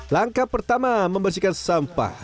langkah pertama membersihkan sampah